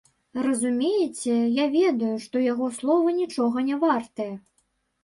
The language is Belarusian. Разумееце, я ведаю, што яго слова нічога не вартае.